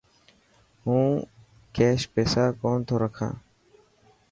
هون ڪيش پيسا ڪونه ٿو رکان.